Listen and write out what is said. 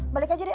balik aja deh